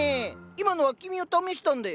今のは君を試したんだよ。